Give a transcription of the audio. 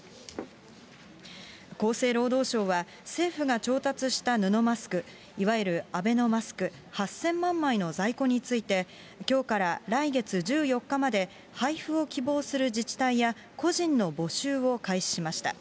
厚生労働省は、政府が調達した布マスク、いわゆるアベノマスク８０００万枚の在庫について、きょうから来月１４日まで、配布を希望する自治体や個人の募集を開始しました。